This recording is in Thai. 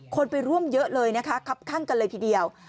คนไปร่วมเยอะเลยนะคะครับข้างกันเลยทีเดียว